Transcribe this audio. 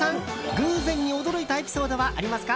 偶然に驚いたエピソードはありますか？